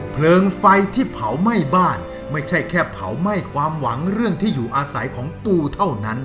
เพลิงไฟที่เผาไหม้บ้านไม่ใช่แค่เผาไหม้ความหวังเรื่องที่อยู่อาศัยของปูเท่านั้น